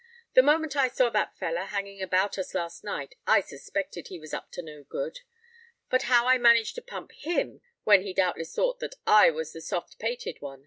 "The moment I saw that feller hanging about us last night, I suspected he was up to no good. But how I managed to pump him, when he doubtless thought that I was the soft pated one!